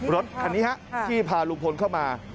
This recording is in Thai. รถคันนี้ฮะที่พาลุงพลเข้ามา